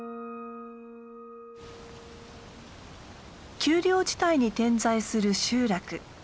丘陵地帯に点在する集落。